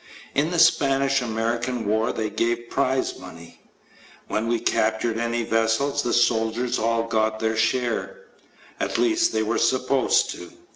In the Spanish American War they gave prize money. When we captured any vessels, the soldiers all got their share at least, they were supposed to.